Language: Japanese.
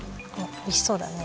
おいしそうだね。